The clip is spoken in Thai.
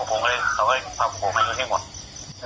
ผมเลยเขาให้พบผมมาอยู่ที่หมด